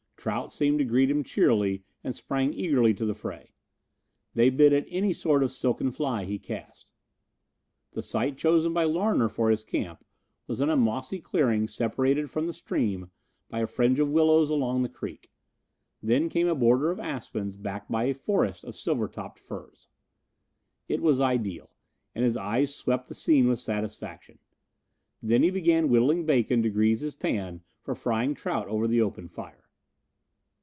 Trout seemed to greet him cheerily and sprang eagerly to the fray. They bit at any sort of silken fly he cast. The site chosen by Larner for his camp was in a mossy clearing separated from the stream by a fringe of willows along the creek. Then came a border of aspens backed by a forest of silver tipped firs. It was ideal and his eyes swept the scene with satisfaction. Then he began whittling bacon to grease his pan for frying trout over the open fire.